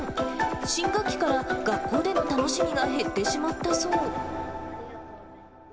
新学期から学校での楽しみが減ってしまったそう。